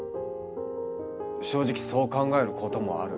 正直そう考える事もある。